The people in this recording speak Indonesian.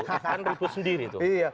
kan ribut sendiri itu